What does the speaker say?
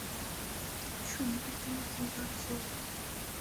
সুব্বু, তুমি কী ভাবছ?